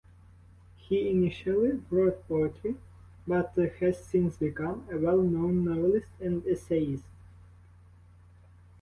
He initially wrote poetry, but has since become a well-known novelist and essayist.